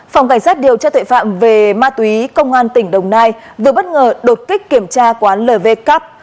phòng cảnh sát điều tra tội phạm về ma túy công an tỉnh đồng nai vừa bất ngờ đột kích kiểm tra quán lv cup